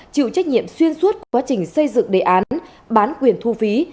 chịu trách nhiệm xuyên suốt quá trình xây dựng đề án bán quyền thu phí